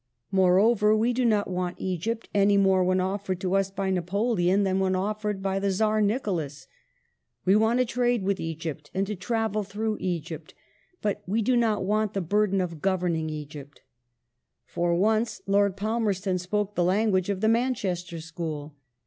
Moreover, we did not want Egypt any more when offered to us by Napoleon than when offered by the Czar Nicholas. " We want to trade with Egypt, and to tmvel through Egypt, but we do not want the burthen of governing Egypt." For once Lord Palmerston spoke the language of the Manchester School.